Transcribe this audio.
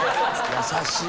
「優しい！」